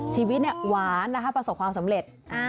ชีวิตหวานนะคะประสบความสำเร็จ